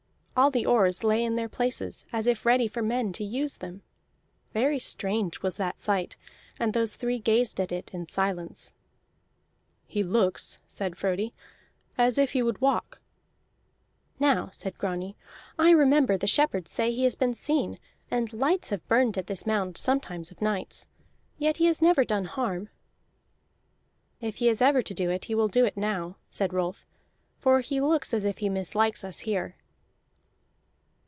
All the oars lay in their places as if ready for men to use them. Very strange was that sight, and those three gazed at it in silence. "He looks," said Frodi, "as if he would walk." [Illustration: "There he sat as if he were still alive, but there was no sight in his eyes"] "Now," said Grani, "I remember the shepherds say he has been seen, and lights have burned at this mound sometimes of nights. Yet he has never done harm." "If he is ever to do it, he will do it now," said Rolf. "For he looks as if he mislikes us here."